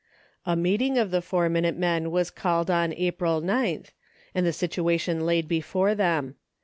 A meeting of the Four Minute Men was called on April 9th, and the situation laid before them.